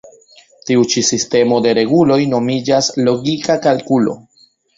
Tiu ĉi sistemo de reguloj nomiĝas logika kalkulo.